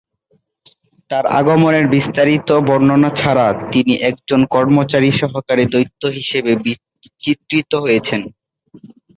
তার আগমনের বিস্তারিত বর্ণনা ছাড়া তিনি একজন কর্মচারী সহকারে দৈত্য হিসেবে চিত্রিত হয়েছেন।